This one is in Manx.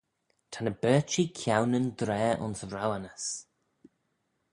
Ta ny berçhee ceau nyn draa ayns rouanys.